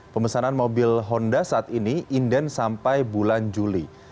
pemesanan mobil honda saat ini inden sampai bulan juli